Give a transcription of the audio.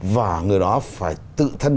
và người đó phải tự thân